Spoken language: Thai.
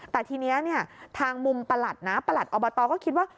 แต่ทีนี้เนี่ยทางมุมประหลัดนะประหลัดอบตก็คิดว่า